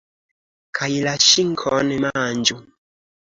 Kaj la ŝinkon manĝu.